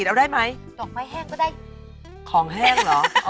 เอาไปตั้งในห้องรับแขก